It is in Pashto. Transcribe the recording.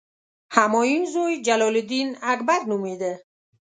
همایون زوی جلال الدین اکبر نومېده.